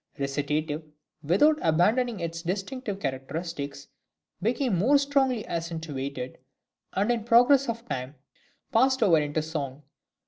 Recitative, without abandoning its distinctive characteristics, became more strongly accentuated, and in process of time passed over into song.